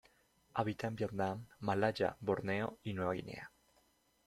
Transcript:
Habita en Vietnam, Malaya, Borneo y Nueva Guinea.